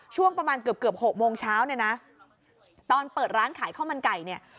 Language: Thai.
ช่วงประมาณเกือบเกือบหกโมงเช้าเนี่ยนะตอนเปิดร้านขายข้าวมันไก่เนี่ย